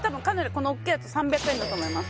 この大きいやつ３００円だと思います